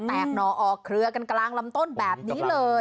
หน่อออกเครือกันกลางลำต้นแบบนี้เลย